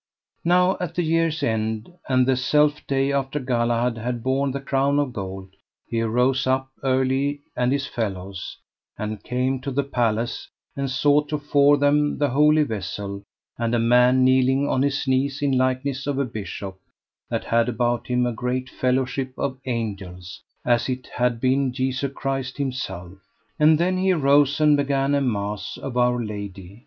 Now at the year's end, and the self day after Galahad had borne the crown of gold, he arose up early and his fellows, and came to the palace, and saw to fore them the Holy Vessel, and a man kneeling on his knees in likeness of a bishop, that had about him a great fellowship of angels, as it had been Jesu Christ himself; and then he arose and began a mass of Our Lady.